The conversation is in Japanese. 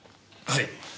はい。